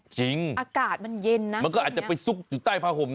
อากาศมันเย็นนะมันก็อาจจะไปซุกอยู่ใต้ผ้าห่ม